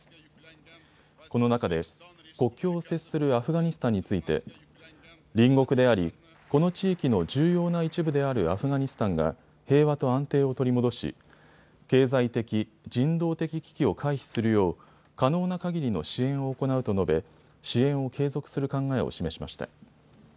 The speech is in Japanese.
この中で国境を接するアフガニスタンについて隣国でありこの地域の重要な一部であるアフガニスタンが平和と安定を取り戻し経済的、人道的危機を回避するよう可能なかぎりの支援を行うと述べ支援を継続する考えを示しました。